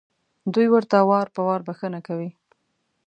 دوی ورته وار په وار بښنه کوي.